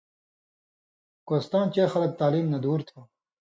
کوستاں چے خلک تعلیم نہ دُور تھو